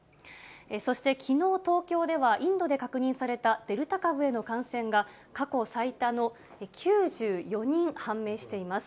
そしてきのう東京では、インドで確認されたデルタ株への感染が過去最多の９４人判明しています。